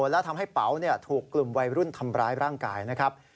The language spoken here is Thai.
และทำให้เป๋าถูกกลุ่มวัยรุ่นทำร้ายร่างกายนะครับ